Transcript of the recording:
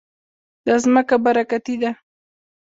دا ځمکه برکتي ده.